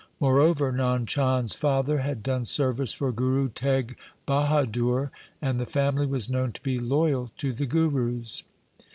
More over, Nand Chand' s father had done service for Guru Teg Bahadur, and the family was known to be loyal to the Gurus.